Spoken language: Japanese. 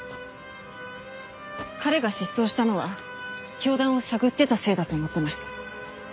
彼が失踪したのは教団を探ってたせいだと思ってました。